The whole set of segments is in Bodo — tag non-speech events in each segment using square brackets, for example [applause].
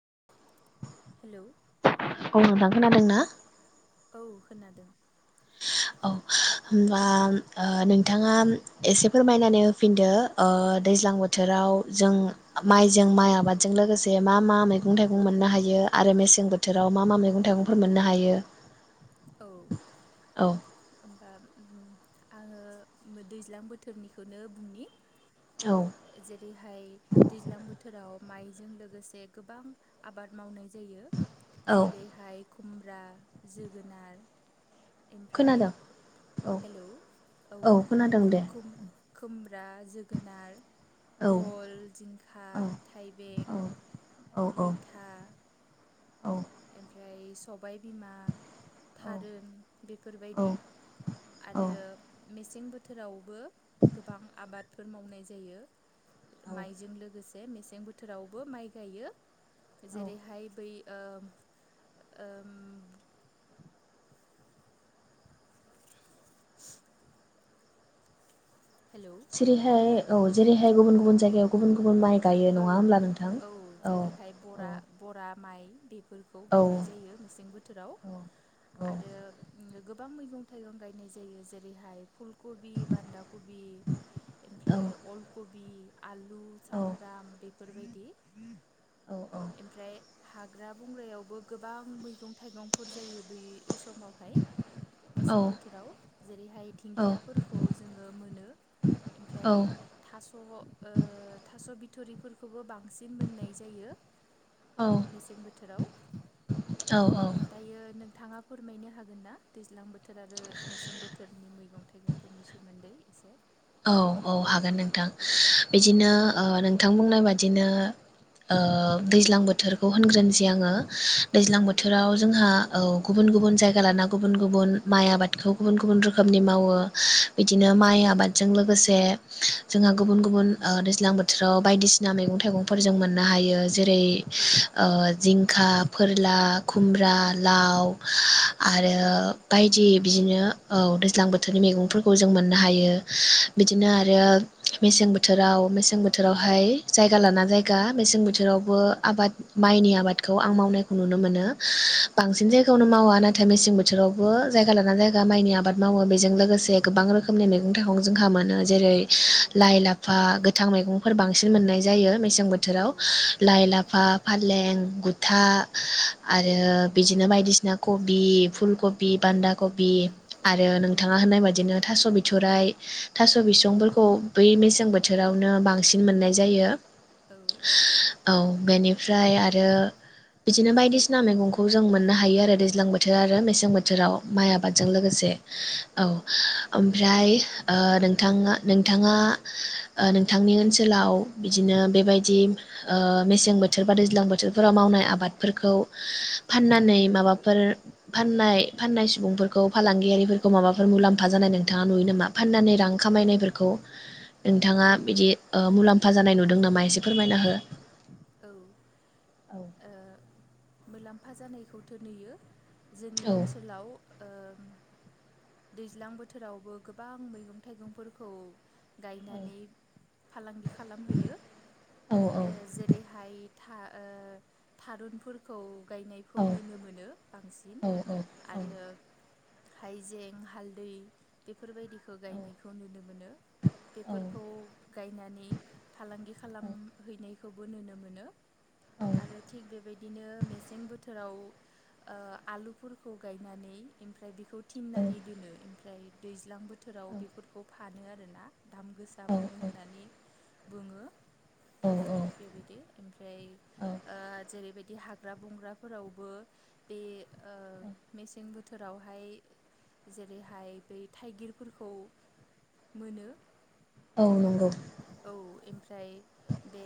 [inaudible] [inaudible] औ नोंथां खोनादों ना? औ खोनादों। औ होमबा ओ नोंथाङाम एसे फोरमायनानै होफिनदो ओ दैज्लां बोथोराव जों माइजों माइ आबादजों लोगोसे मा मा मैगं थाइगं मोननो हायो आरो मेसें बोथोराव मा मा मैगं थाइगंफोर मोननो हायो। आम आङो दैज्लां बोथोरनिखौनो बुंनि औ जेरैहाय दैज्लां बोथोराव माइजों लोगोसे गोबां आबाद मावनाय जायो औ जेरैहाय खुमब्रा जोगो गोनार एमफ्राय खोनादों औ हेलौ औ खोनादों दे खु-खु-खुम्ब्रा ब्रा जोगोनार औ भल जिंखा औ थाइबें औ मैथा औ एमफ्राय सबाइ बिमा थारुन औ बेफोरबायदि औ आरो मेस सें बोथोरावबो गोबां आबाद फोर मावनाय जायो। माइजों लोगोसे जे मेसें बोथोरावबो माइ गायो। औ जेरैहाय बै ओम ओम हेलौ जेरैहाय औ जेरैहाय गुबुन औ गुबुन जायगायाव गुबुन गुबुन माइ गायो औ नङा होमब्ला नोंथां औ जेरैहाय बरा बराब माइ बेब फोरखौ औ औ गायनाय जायो मेसें बोथोराव औ आरो औ गोब गोबां मैगं थाइगं गायनाय जायो जेरैहाय फुलकबि बान्दा कबि औ एमफ्राय अलकबि आलु साम' ब्राम बेफोरबायदि औ ओमफ्राय हाग्रा बंग्रायावबो गोबां मैगं थाइगंफोर जायो बे समावहाय मेसें बोथोराव जेरैहाय दिंखियाफोरखौ जोङो मोनो ओमफ्राय थास' ओ थास' बिथ थुरि फोरफोरखौबो बां बांसिन मोननाय जायो मेसें बोथोराव ओ दायो नोंथाङा फोरमायनो हागोन ना दैज्लां बो बोथोर आरो मेसें बोथोरनि मैगं थाइगंफोरनि सोमोन्दै एसे औ औ हागोन नोंथां बिदिनो ओ नोंथां बुंनाय बादिनो ओ दैज्लां बोथोरखौ होनग्रोनोसै आङो। औ दैज्लां बोथोराव जोंहा औ गुबुन गुबुन जायगा लाना गुबुन गुबुन माइ आबादखौ गुबुन गुबुन रोखोमनि मावो। बिदिनो माइ आबाद गोसे जोंहा गुबुन गुबुन ओ दैज्लां बोथोराव। बायदिसिना मैगं थाइगंफोर जों मोननो हायो जेरै औ ओ जिं खा फोर ला औ खुमब्रा लाव आरो औ बायदि बिदिनो औ दैज्लां बोथोरनि मैगंफोरखौ जों मोननो हायो। बिदिनो आरो मेसें बोथोराव मेसें बोथोरावहाय जायगा लाना जायगा मेसें बोथोरावबो आबाद माइनि आबादखौ आं मावनायखौ नुनो मोनो। बांसिन जायगायावनो मावा ना नाथाय मेसें बोथोरावबो जायगा लाना जायगा माइनि आबाद मावो बेजों लोगोसे गोबां रोखोमनि मै मैगं थाइगं जोंहा मोनो। जेरै लाइ लाफा गोथां मैगं फोर बांसिन मोननाय जायो। मैसें औ बोथोराव लाइ लाफा फालें गुथा आरो बिदिनो बायदिसिना कबि फुल कबि बान्दा कबि। आरो औ नोंथाङा होननाय बायदिनो थास' बिथ सराइ थास' बिसंफोरखौ औ-औ-औ-औ-औ बै मेसें बोथोर बोथोरावनो बांसिन मोननाय जायो औ औ बेनिफ्राय आरो बिदिनो बायदिसिना मैगंखौ जों मोननो हायो आरो दैज्लां बोथोर आरो मेसें जां बोथोराव माइ आबादजों लोगोसे औ हाय ओ नोंथाङा नोंथाङा ओ नोंथांनि ओनसोलाव बिदिनो बेबायदि ओ मेसें बोथोर बा दैज्लां बोथोरफोराव मावनाय आबादफोरखौ फाननानै माबाफोर फाननाय फाननाय सुबुंफोरखौ फालांगियारिफोरखौ माबाफोर मुलाम्फा जानाय नों नोंथाङा नुयो नामा? फाननानै रां खामायनायफोरखौ नोंथाङा बिदि ओ मुलाम फा जानाय नुदों नामा? एसे फोरमायना हो औ ओ मुलाम्फा जानायखौथो नुयो जोंनि औ ओनसोलाव ओम दैज्लां बोथोरावबो गोबां मैगं थाइगंफोरखौ गायनानै फालांगि खा खालामहैयो औ औ ओ जे बि था ओ थारुनफोरखौ गायनायखौ नुनो मोनो बांसिन औ औ आरो हाइजें हालदै बेफोरबायदि खौ औ गायनायखौ नुनो मोनो। औ बेफोरखौ गायनानै फालांगि औ खालामहैनायखौ बो नुनो मोनो औ आरो थिग बेबायदिनो मेसें बो बोथोराव ओ आलुफोरखौ गायनानै ओमफ्राय बेखौ थिननानै दोनो। ओमफ्राय दैज्लां बो थोराव बेफोरखौ फानो आरोना दाम गोसा मोनो होननानै बुङो। औ बेबायदि ओफ्राय ओ जेरैबायदि दि हाग्रा बंग्राफोरावबो बे ओ मेसें बोथोरावहाय जेरैहाय बै थाइगिरफोरखौ मोनो औ नंगौ औ ओमफ्राय बे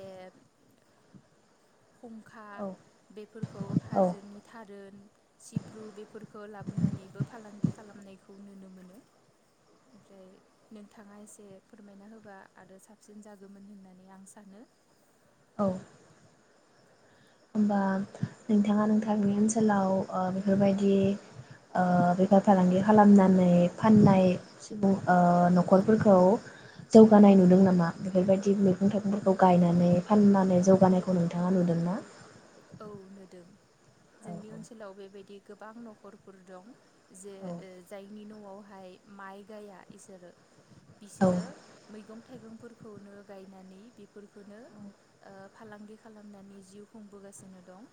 खुंखा औ बेफोरखौ औ हाजोनि थारोन सिब्रु बेफोरखो लाबोनानैबो फालांगि खालामनायखौ नुनो मोनो ओमफ्राय नोंथाङा एसे फोरमायना होबा आरो साबसिन जागौमोन होननानै आं सानो। औ होमबा नोंथाङा नोंथांनि ओनसोलाव ओ बेफोरबायदि ओ बेफार फालांगि खालामनानै फाननाय सुबुं ओ नखरफोरखौ जौगानाय नुदों नामा बेफोरबायदि मैगं थाइगंफोरखौ गायनानै फाननानै जौगानायखौ नोंथाङा नुदोंना औ नुदों औ जोंनि ओनसोलाव बेबायदि गोबां नखरफोर दं जे ओ जाय नि नआवहाय माइ गाया इसोरो औ बिसोरो मैगं थाइगंफोरखौनो गायनानै बेफोरखौनो ओ फालांगि खालामनानै जिउ खुं बोगासिनो दं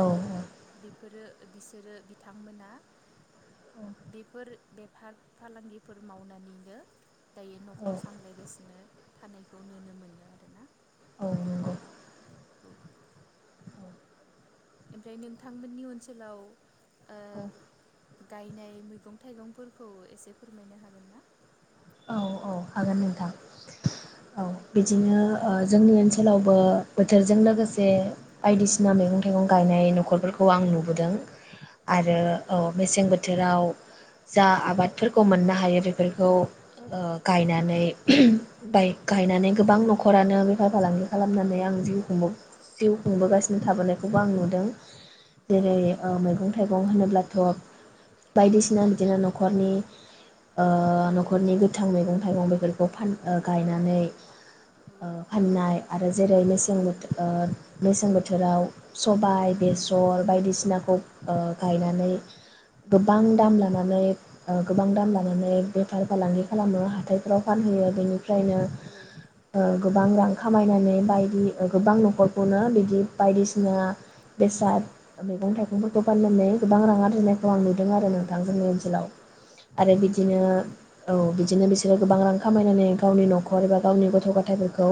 औ बिफोरो बिसोरो बिथांमोना बिफोर बेफार फालांगिफोर मावनानैनो दायो औ नखर सामलायगासिनो थानायखौ नुनो मोनो आरो ना औ नंगौ औ ओमफ्राय नोंथांमोननि ओनसोलाव ओ औ गायनाय मैगं थाइगंफोरखौ एसे फोरमायनो हागोन ना औ औ हागोन नोंथां औ बिदिनो ओ जोंनि ओनसोलावबो बोथोरजों लोगोसे बायदिसिना मैगं थाइगं गायनाय नखरफोरखौ आं नुबोदों औ आरो अ मेसें बोथ थोराव जा आबादफोरखौ मोननो हायो बेफोरखौ ओ गायनानै बाय गायनानै गोबां नखरानो बेफार फालांगि खालामनानै आं जिउ जिउ खुंबोगासिनो थाबोनायखौबो आं नुदों औ जेरै ओ मैगं थाइगं होनोब्लाथ बायदिसिना बिदिनो नखरनि ओ नखरनि थां मैगं थाइगं बेफोरखौ फान ओ गायनानै औ ओ फाननाय आरो जेरै मेसेंबोथो ओ मेसें बोथोराव सबाय बेसर बायदिसिनाखौ ओ गायनानै गोबां औ दाम लानानै ओ गोबां दाम लानानै बेफार फालांगि खालामो हाथायफ्राव फानहोयो बेनिफ्रायनो औ ओ गोबां रां खामायनानै बायदि ओ गोबां नखरखौनो बिदि बायदिसिना बेसाद मैगं थाइगंफोरखौ फाननानै गोबां रां आरजिनायखौ आं नुदों आरो नोंथां जोंनि ओनसोलाव। आरो बिदिनो औ बिदिनो बिसोरो गोबां रां खामायनानै गावनि नखर एबा गावनि गथ गथायाइफोरखौ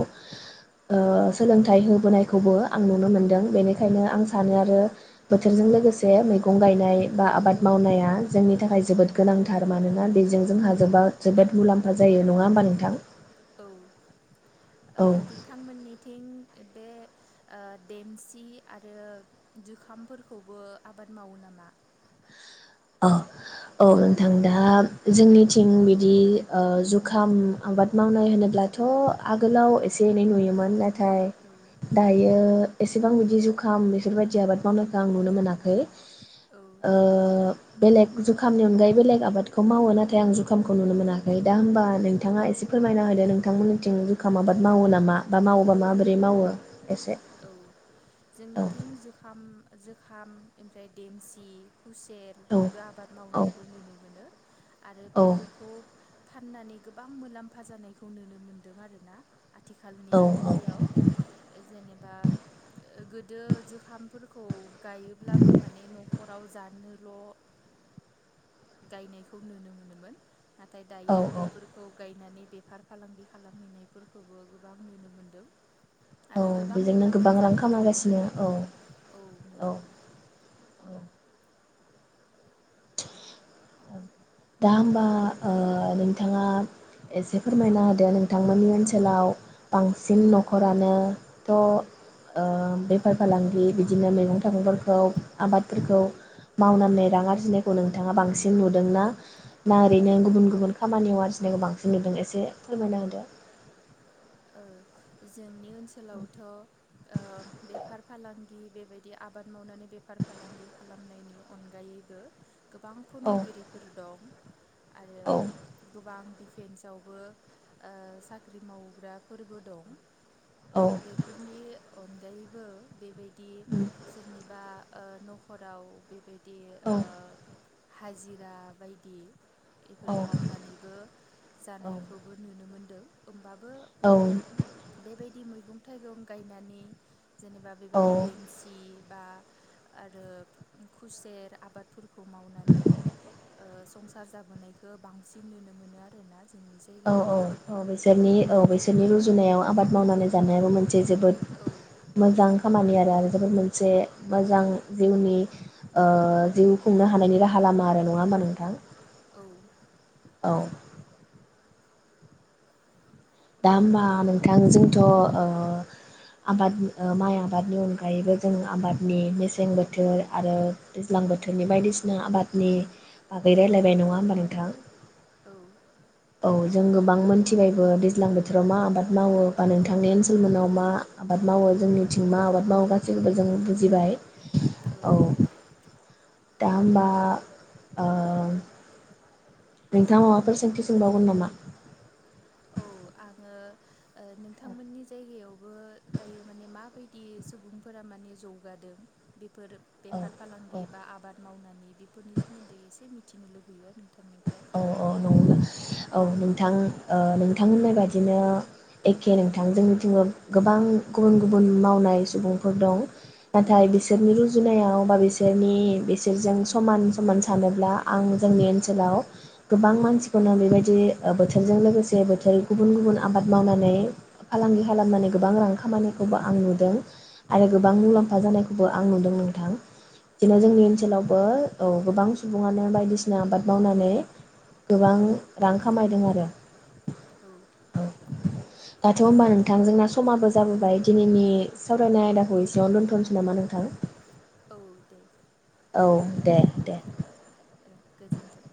ओ सोलोंथाइ होबोनायखौबो आं नुनो मोनदों बेनिखायनो आं सानो आरो बोथोरजों लोगोसे मैगं गायनाय बा आबाद औ मावनाया जोंनि थाखाय जोबोद गोनांथार मानोना बेजों जोंहा औ जोबा जोबोद मुलाम्फा जायो नङा होमबा नोंथां औ ओ औ दोंथांमोननिथिं बे ओ देमसि आरो जुखामफोरखौबो आबाद मावो नामा औ औ नोंथां दा जोंनिथिं बिदि ओ जुखाम आबाद मावनाय होनोब्लाथ आगोलाव एसे एनै नुयोमोन थाय औ दायो एसेबां बिदि जुखाम बेफोरबायदि आबाद मावनायखौ आं नुनो मोनाखै औ ओ बेलेग जुखामनि अनगायै बेलेग आबादखौ मावो नाथाय आं जुखामखौ नुनो मोनाखै दा होमबा आं औ नोंथांङा एसे फोरमायना होदो नों थां मोननिथिं जुखाम आबाद मावो नामा बा मावोबा माबोरै मावो। एसे औ औ जोंनिथिं जुखाम जोखाम ओमफ्राय देमसि औ खुसेरनिबो आबाद औ मावनायखौ नुनो मोनो। आरो औ बेफोरखौ फाननानै गोबां मुलाम्फा जानायखौ नुनो मोन्दों आरो ना आथिखालनि औ मुगायाव जेने आब गोदो जोखामफोरखौ गायोब्लाबो माने न' न'खराव जानोल' गायनायखौ नुनो मोनोमोन नाथाय औ दायो बेफोरखौ गाय हैनानै बेफार फालांगि खालामहैनाय फोरखौबो गोबां नुनो मोनदों। औ आरो गोबां बेजोंनो मुलाम्फा गोबां रां जानायखौ नुनो खामायगासिनो औ मोनदों औ नुनो औ मोन उम दा होमबा ओ नोंथांङा एसे फोरमायना होदो नोंथांमोननि ओनसोलाव बांसिन न'खरानोथ' ओ बेफार फालांगि बिदिनो मैगं-थाइगंफोरखौ आबादफोरखौ मावनानै रां आरजिनायखौ नोंथांङा बांसिन नुदोंना ना औ ओरैनो गुबुन गुबुन खामानियाव आरजिनायखौ बांसिन नुदों एसे फोरमायना होदो। ओ जोंनि ओनसोलावथ'ओ‌ बेफार फालांगि बेबायदि आबाद मावनानै बेफार फालांगि खालामनायनि अनगायैबो गोबां औ फोनोंगिरिफोर दं आरो औ गोबां दि फेन्सवबो ओ साख्रि मावग्रा फोरबो दं। औ बेफोरनि अनगायैबो बेबायदि दि सोरनिबा ओ न'खराव बे बेदि औ ओ हाजिरा बायदि बेफोर मावनानैबो जानायखौबो नुनो मोनदों। होमबाबो औ बेबायदि मैगं थाइगं गायनानै जेनेबा औ बेबायदि देमसि बा आरो खुसेर आबादफोरखौ मावनानै ओ संसार संसार जाबोनायखौ बांसिन नुनो मोनो आरोना। जोंनि औ जायगायाव औ औ बिसोरनि औ बिसोरनि रुजु जुनाव आबाद मावनानै जानायाबो मोन से जोबोद औ मोजां खामानि आरो जोबोद मोनसे मोजां जिउनि ओ जिउ खुंनो हानायनि राहा लामा आरो नङा होमबा नोंथां औ औ दा हबा नोंथां जोंथ' ओ आबाद माइ आबादनि अनगायैबो जों आबादनि मेसें बोथोर आरो दैज्लां बोथोरनि बायदिसिना आबादनि बागै औ रायलायबाय नङा होमबा नोंथां औ औ जों गोबां मोनथिबायबो दैज्लां बोथोराव मा आबाद मावो बा नोंथांनि ओनसोल मोनाव मा आबाद मावो जोंनिथिं मा औ आबाद मावो गासैबो जों बुजिबाय औ दा होमबा ओ नोंथाङा माबाफोर सोंथि सोंबावगोन नामा? औ आङो ओ नोंथांमोननि जायगायाव दायो माने मा बायद दि सुबुंफोरा माने जौगादों बे फोर औ बेफार औ फालांगि बा आबाद मावनानै बेफोरनि सोमोन्दै एसे मिथि मिथिनो लुबैयो नोंथांनि औ औ नं औ नोंथां ओ नोंथां होननाय बादिनो एखे नोंथांजों जोंनिथिंबो गोबां गुबुन गुबुन मावनाय सुबुंफोर दं नाथाय औ बिसोरनि रुजुनायाव बा बिसोरनि बिसोरजों समान समान सानोब्ला आं जोंनि ओनसोलाव गोबां मानसिखौनो बेबायदि ओ बोथोरजों लोगोसे बोथोर गुबुन गुबुन आबाद मावनानै फालांगि खालामनानै गोबां रां खामानिखौबो आं नुदों। आरो औ गोबां मुलाम्फा जानायखौ बो आं नुदों नोंथां बिदिनो औ जोंनि ओनसोलावबो औ गोबां सुबुङानो बायदिसिना आबाद मावनानै गोबां रां खामायदों आरो। औ औ दाथ' होनबा नोंथां जोंना समाबो जाबोबाय दिनैनि सावरायनाय आयदाखौ एसेयाव दोनथ'नोसै नामा नोंथां? औ दे। औ। दे दे। औ गोजोन्थों।